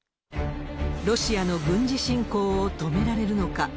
ロシアの軍事侵攻を止められるのか。